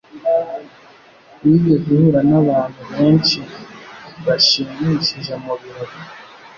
Wigeze uhura nabantu benshi bashimishije mubirori?